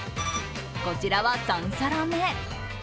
こちらは３皿目。